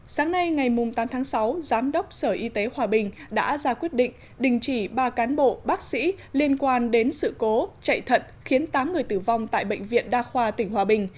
sáng nay ngày tám tháng sáu giám đốc sở y tế hòa bình đã ra quyết định đình chỉ ba cán bộ bác sĩ liên quan đến sự cố chạy thận khiến tám người tử vong tại bệnh viện đa khoa tỉnh hòa bình